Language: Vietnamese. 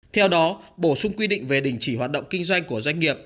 theo đó bổ sung quy định về đình chỉ hoạt động kinh doanh của doanh nghiệp